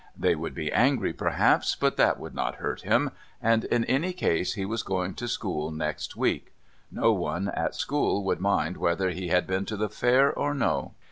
They would be angry, perhaps, but that would not hurt him, and, in any case, he was going to school next week. No one at school would mind whether he had been to the Fair or no.